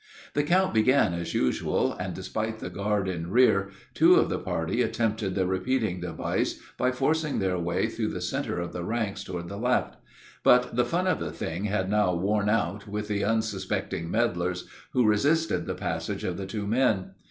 The count began as usual, and despite the guard in rear, two of the party attempted the repeating device by forcing their way through the center of the ranks toward the left; but the "fun of the thing" had now worn out with the unsuspecting meddlers, who resisted the passage of the two men.